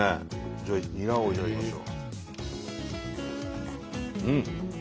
じゃあニラを頂きましょう。